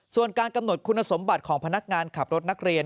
ส่วนการกำหนดคุณสมบัติของพนักงานขับรถนักเรียน